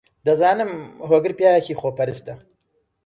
دەزانم هۆگر پیاوێکی خۆپەرستە.